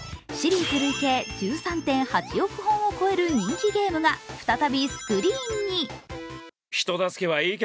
シリーズ累計１３．８億本を超える人気ゲームが再びスクリーンに。